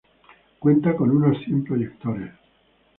Cuenta con unos cien proyectores.